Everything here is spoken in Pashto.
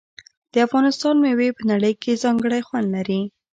د افغانستان میوې په نړۍ کې ځانګړی خوند لري.